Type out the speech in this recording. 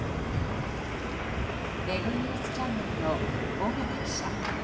ウェブニュースチャンネルの尾形記者。